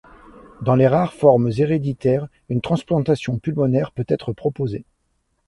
Dans les rares formes héréditaires, une transplantation pulmonaire peut être proposée.